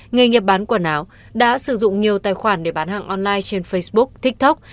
nghề nghiệp bán quần áo đã sử dụng nhiều tài khoản để bán hàng online trên facebook tiktok